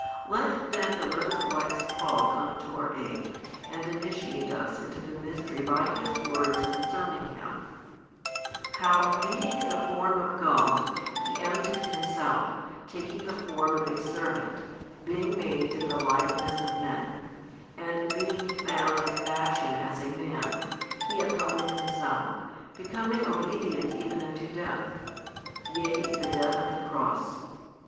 Let then the most wise Paul come to our aid, and initiate us into |395 the mystery by his words concerning Him; how being in the form of God, He emptied Himself, taking the form of a servant, being made in the likeness of men; and being found in fashion as a man, He hath humbled Himself, becoming obedient even unto death; yea, the death of the cross.